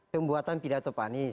pembuatan pidato panis